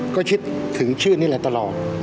ก็คิดถึงชื่อนี่แหละตลอด